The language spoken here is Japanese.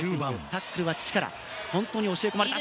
タックルは父から本当に教えてもらって。